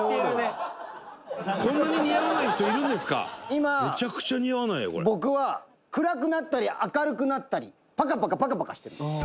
「今僕は暗くなったり明るくなったりパカパカパカパカしてる」